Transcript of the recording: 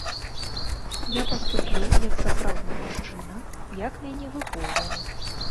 Я паступіў як сапраўдны мужчына, як мяне выхоўвалі.